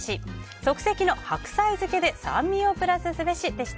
即席の白菜漬けで酸味をプラスすべしでした。